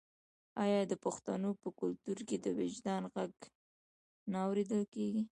آیا د پښتنو په کلتور کې د وجدان غږ نه اوریدل کیږي؟